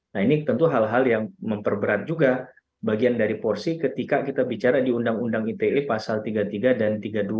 nah ini tentu hal hal yang memperberat juga bagian dari porsi ketika kita bicara di undang undang ite pasal tiga puluh tiga dan tiga puluh dua